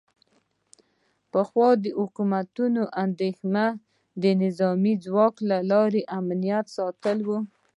پخوا د حکومتونو اندیښنه د نظامي ځواک له لارې د امنیت ساتل و